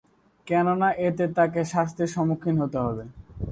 কেননা এতে তাকে শাস্তির সম্মুখীন হতে হবে।